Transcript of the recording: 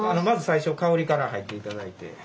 まず最初香りから入って頂いて。